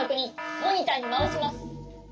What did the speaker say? モニターにまわします。